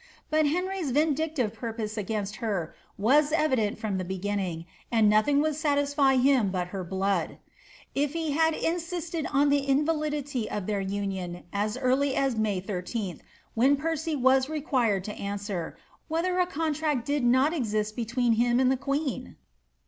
But Henry'k vindictive purpose against her was evident from the beginning, and nothing would satisfy him but her blood. If he had insisted on the invalidity of their union as early as May 13th, when Percy was required to answer, wheUier a contract of marriage did not exist between him and the queen